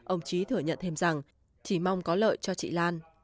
ông trí thừa nhận thêm rằng chỉ mong có lợi cho chị lan